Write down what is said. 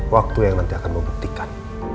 waktu yang nanti akan membuktikan